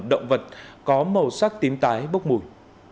động vật có màu sắc tím tái bốc mùi